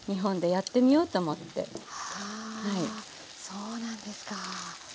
そうなんですか。